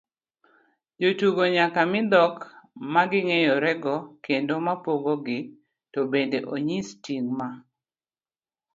jotugo nyaka mi dhok maging'eyorego kendo mapogogi, to bende onyis ting' ma